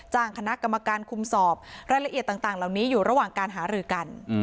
คณะกรรมการคุมสอบรายละเอียดต่างเหล่านี้อยู่ระหว่างการหารือกัน